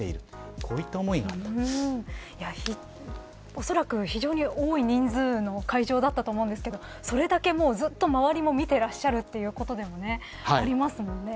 おそらく非常に多い人数の会場だったと思うんですけどそれだけずっと周りも見ていらっしゃるということでもありますもんね。